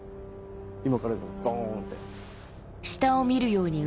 今からでもドンって。